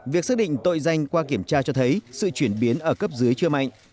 việc xác định tội danh qua kiểm tra cho thấy sự chuyển biến ở cấp dưới chưa mạnh